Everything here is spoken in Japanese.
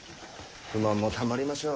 不満もたまりましょう。